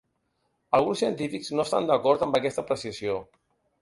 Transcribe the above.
Alguns científics no estan d'acord amb aquesta apreciació.